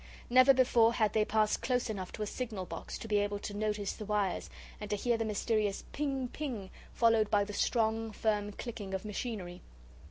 Never before had they passed close enough to a signal box to be able to notice the wires, and to hear the mysterious 'ping, ping,' followed by the strong, firm clicking of machinery.